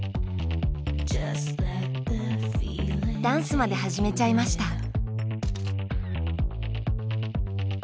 ダンスまで始めちゃいました。